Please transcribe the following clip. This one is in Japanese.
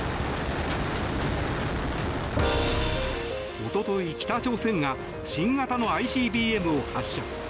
一昨日、北朝鮮が新型のＩＣＢＭを発射。